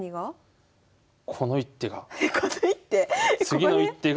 次の一手が。